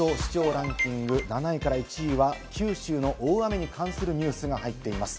ランキング７位から１位は九州の大雨に関するニュースが入っています。